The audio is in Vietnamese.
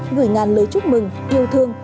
ngửi ngàn lời chúc mừng yêu thương